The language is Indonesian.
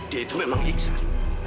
dia itu memang iksan